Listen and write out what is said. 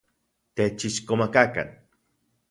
Techixkomakakan.